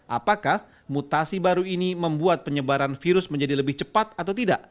apakah mutasi baru ini membuat penyebaran virus menjadi lebih cepat atau tidak